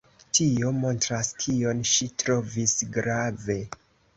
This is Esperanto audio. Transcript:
Tio montras, kion ŝi trovis grave.